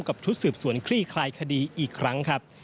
กับชุดสืบสวนคลี่คลายคดีอีกครั้งครับ